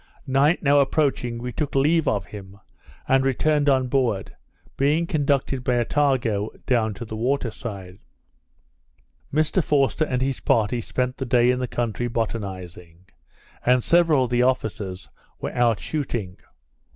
Night now approaching, we took leave of him, and returned on board, being conducted by Attago down to the water side. Mr Forster and his party spent the day in the country botanizing; and several of the officers were out shooting.